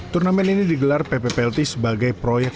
turnamen ini digelar ppplt sebagai proyek